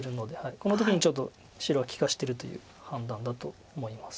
この時にちょっと白は利かしてるという判断だと思います。